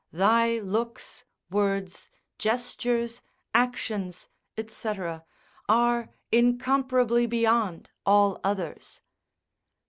Thy looks, words, gestures, actions, &c., are incomparably beyond all others.